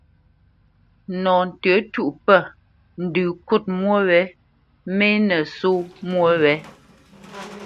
Nɔ ntə̌tûʼ pə̂, ndə kût mwô wě mê nə̂ só mwô wě.